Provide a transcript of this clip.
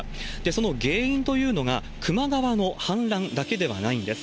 その原因というのが、球磨川の氾濫だけではないんです。